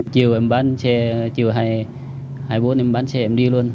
chiều em bán xe chiều hai mươi bốn em bán xe em đi luôn